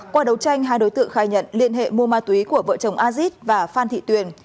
qua đấu tranh hai đối tượng khai nhận liên hệ mua ma túy của vợ chồng azid và phan thị tuyền